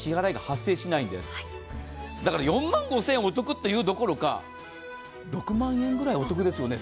だから４万５０００円お得というどころか、６万円ぐらいお得ですよね。